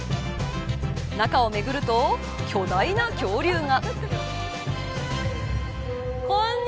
中を巡ると巨大な恐竜が。